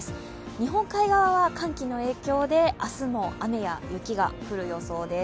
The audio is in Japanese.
日本海側は寒気の影響で明日も雨や雪が降る予想です。